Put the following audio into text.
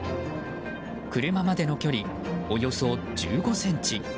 車までの距離、およそ１５ｃｍ。